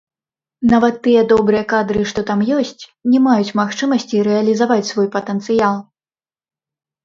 Нават тыя добрыя кадры, што там ёсць, не маюць магчымасці рэалізаваць свой патэнцыял.